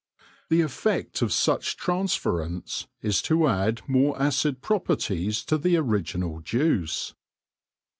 The effect of such transference is to add more acid properties to the original juice.